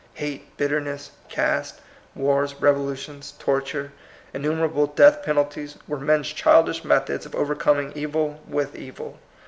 Hate, bitterness, caste, wars, rev olutions, torture, innumerable death pen alties, were men's childish methods of overcoming evil with evil.